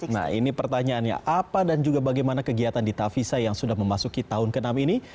nah ini pertanyaannya apa dan juga bagaimana kegiatan di tavisa yang sudah memasuki tahun ke enam ini